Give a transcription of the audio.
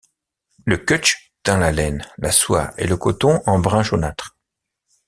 Le cutch teint la laine, la soie et le coton en brun jaunâtre.